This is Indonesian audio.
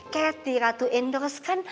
kat di ratu endorse kan